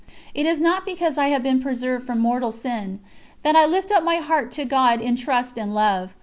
It is not because I have been preserved from mortal sin that I lift up my heart to God in trust and love.